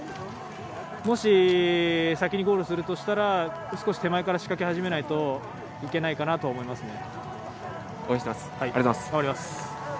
もし、先にゴールするとしたら少し手前から仕掛け始めないといけないかなと思います。